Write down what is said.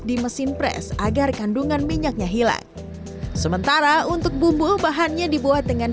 di mesin pres agar kandungan minyaknya hilang sementara untuk bumbu bahannya dibuat dengan